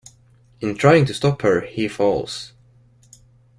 In trying to stop her he falls.